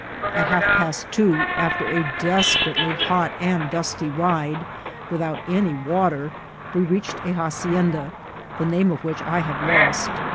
At half past twoy after a desperately hot and dusty ride, without any wa ' ter, we reached a hacienda, the naitne of which I have lost.